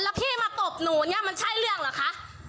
แล้วพี่มาตบหนูเนี่ยมันใช่เรื่องเหรอคะ